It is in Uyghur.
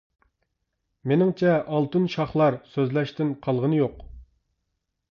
مېنىڭچە، «ئالتۇن شاخلار» سۆزلەشتىن قالغىنى يوق.